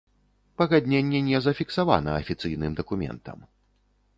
Пагадненне не зафіксавана афіцыйным дакументам.